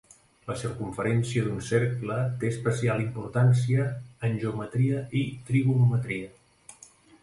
La circumferència d'un cercle té especial importància en geometria i trigonometria.